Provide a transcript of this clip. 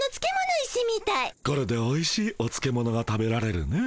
これでおいしいおつけ物が食べられるね。